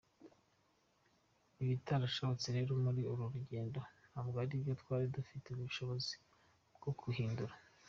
Ibitarashobotse rero muri uru rugendo ntabwo ari ibyo twari dufitiye ubushobozi bwo guhindura.